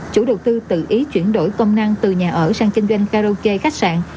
chủ đầu tư tự ý chuyển đổi công năng từ nhà ở sang kinh doanh karaoke khách sạn